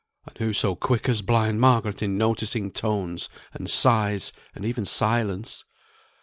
And who so quick as blind Margaret in noticing tones, and sighs, and even silence?